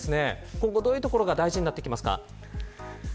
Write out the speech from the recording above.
今後どういうところが大事になってきますか。